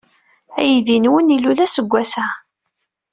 Aydi-nwen ilul aseggas-a.